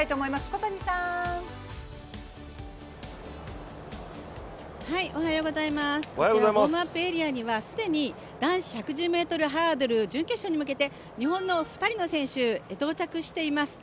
おはようございます、こちらウオームアップエリアには既に男子１１０ｍハードル準決勝に向けて日本の２人の選手が到着しています。